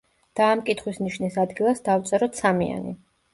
და ამ კითხვის ნიშნის ადგილას დავწეროთ სამიანი.